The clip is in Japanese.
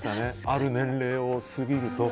ある年齢を過ぎると。